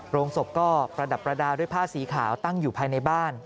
โรงศพก็ประดับประดาษด้วยผ้าสีขาวตั้งอยู่ภายในบ้าน